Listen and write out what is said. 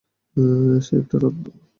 সে একটা রত্ন!